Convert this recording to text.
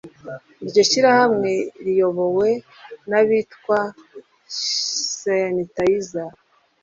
iryo shyirahamwe riyobowe n’abitwa e schinitzer